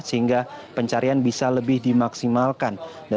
sehingga pencarian bisa lebih dimaksimalkan